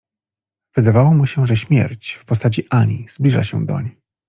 Wydawało mu się, że śmierć w postaci Anii zbliża się doń.